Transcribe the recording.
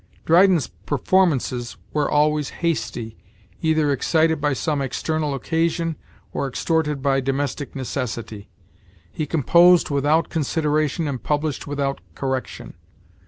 Dryden's performances were always hasty, either excited by some external occasion or extorted by domestic necessity; he composed without consideration and published without correction.